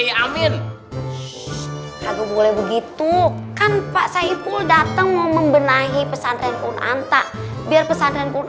hai aku boleh begitu kan pak saipul datang membenahi pesantren pun anta biar pesan dan pun